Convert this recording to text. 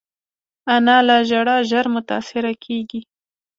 انا له ژړا ژر متاثره کېږي